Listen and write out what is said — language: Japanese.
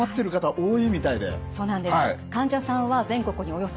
はい。